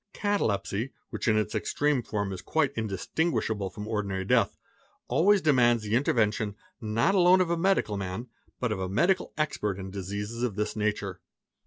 Catalepsy, which in its extreme form is quite indistinguishable from — ordinary death, always demands the intervention not alone of a medical man but of a medical expert in diseases of this nature.